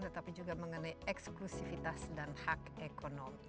tetapi juga mengenai eksklusifitas dan hak ekonomi